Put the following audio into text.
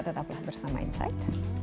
tetaplah bersama insight